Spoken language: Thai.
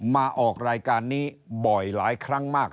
มาออกรายการนี้บ่อยหลายครั้งมาก